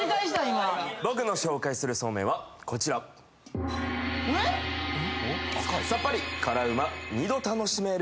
今僕の紹介するそうめんはこちらうえ！？